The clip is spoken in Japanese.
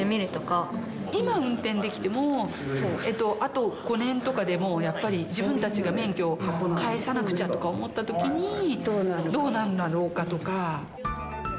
今運転できてもあと５年とかでもうやっぱり自分たちが免許を返さなくちゃとか思ったときにどうなるんだろうかとか。